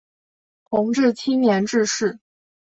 弘治七年致仕。